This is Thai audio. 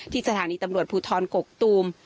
สถานีตำรวจภูทรกกตูม